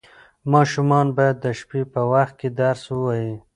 ماشومان باید د شپې په وخت کې درس ووایي.